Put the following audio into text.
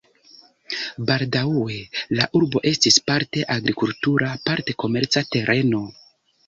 Baldaŭe la urbo estis parte agrikultura, parte komerca tereno.